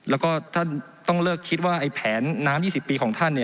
แล้วก็ท่านต้องเลิกคิดว่าไอ้แผนน้ำ๒๐ปีของท่าน